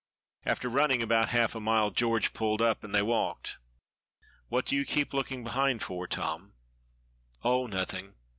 After running about half a mile, George pulled up, and they walked. "What do you keep looking behind for, Tom?" "Oh, nothing."